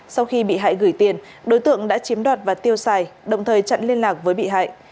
sau khi bị hại gửi tiền đối tượng đã chiếm đoạt và tiêu xài đồng thời chặn liên lạc với bị hại